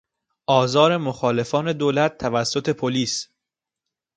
آزار مخالفان دولت توسط پلیس